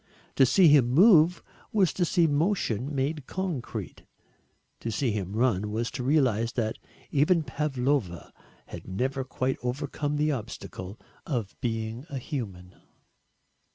To see him move was to see motion made concrete to see him run was to realise that even Pavlova had never quite overcome the obstacle of being a human.